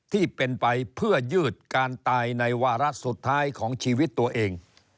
ที่เป็นไปเพื่อยืดการตายในวาระสุดท้ายของชีวิตตัวเอง